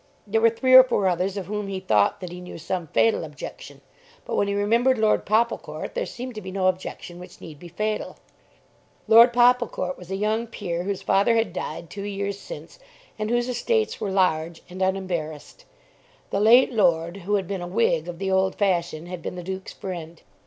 There were three or four others of whom he thought that he knew some fatal objection. But when he remembered Lord Popplecourt there seemed to be no objection which need be fatal. Lord Popplecourt was a young peer whose father had died two years since and whose estates were large and unembarrassed. The late lord, who had been a Whig of the old fashion, had been the Duke's friend.